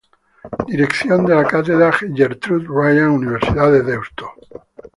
Dirección de la Cátedra Gertrude Ryan Universidad de Deusto.